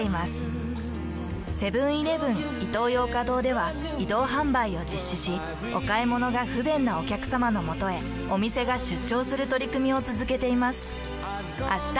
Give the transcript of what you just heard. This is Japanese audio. セブンーイレブンイトーヨーカドーでは移動販売を実施しお買い物が不便なお客様のもとへお店が出張する取り組みをつづけています。